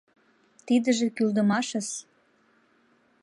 Тидыже кӱлдымашыс.